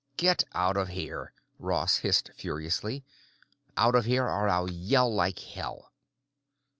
"Get out of here!" Ross hissed furiously. "Out of here or I'll yell like hell."